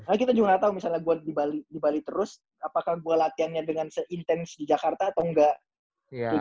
karena kita juga nggak tau misalnya gue di bali terus apakah gue latihannya dengan se intens di jakarta atau nggak